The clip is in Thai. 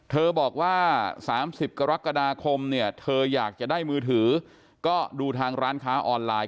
บอกว่า๓๐กรกฎาคมเนี่ยเธออยากจะได้มือถือก็ดูทางร้านค้าออนไลน์